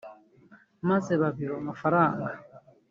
maze babiba amafaranga